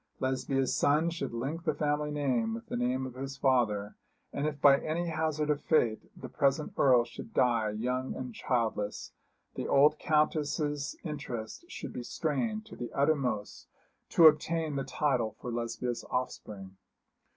Lesbia's son should link the family name with the name of his father; and if by any hazard of fate the present Earl should die young and childless, the old Countess's interest should be strained to the uttermost to obtain the title for Lesbia's offspring.